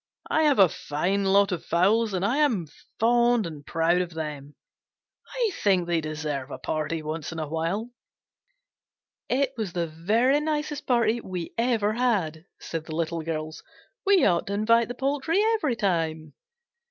I have a fine lot of fowls, and I am fond and proud of them. I think they deserve a party once in a while." "It was the very nicest party we ever had," said the Little Girls. "We ought to invite the poultry every time."